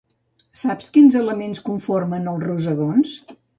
Saps quins elements conformen els rosegons?